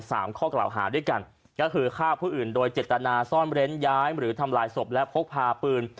ข้อกล่าวหาด้วยกันก็คือฆ่าผู้อื่นโดยเจตนาซ่อนเร้นย้ายหรือทำลายศพและพกพาปืน